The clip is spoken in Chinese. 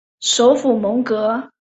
首府蒙戈。